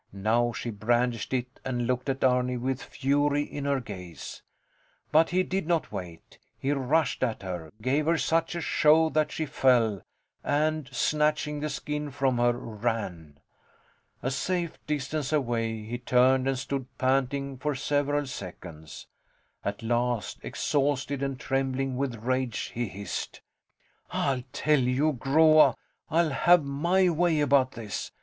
Now she brandished it and looked at Arni with fury in her gaze. But he did not wait. He rushed at her, gave her such a shove that she fell, and, snatching the skin from her, ran. A safe distance away, he turned and stood panting for several seconds. At last, exhausted and trembling with rage, he hissed: I tell you, Groa. I'll have my way about this.